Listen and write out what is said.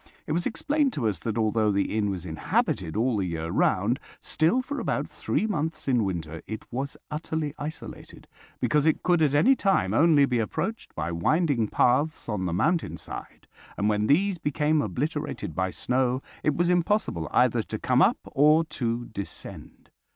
It was explained to us that, although the inn was inhabited all the year round, still for about three months in winter it was utterly isolated, because it could at any time only be approached by winding paths on the mountain side, and when these became obliterated by snow it was impossible either to come up or to descend.